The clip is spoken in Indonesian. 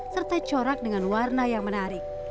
serta corak dengan warna yang menarik